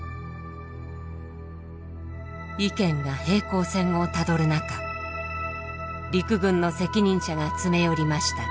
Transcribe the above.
意見が平行線をたどる中陸軍の責任者が詰め寄りました。